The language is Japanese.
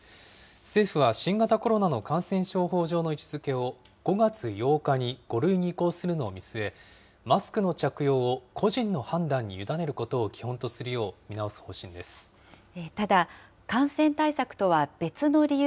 政府は、新型コロナの感染症法上の位置づけを５月８日に５類に移行するのを見据え、マスクの着用を個人の判断に委ねることを基本とするよただ、感染対策とは別の理由